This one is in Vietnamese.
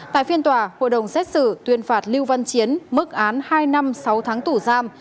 tại phiên tòa hội đồng xét xử tuyên phạt lưu văn chiến mức án hai năm sáu tháng tù giam